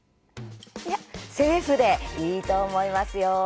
セーフでいいと思いますよ。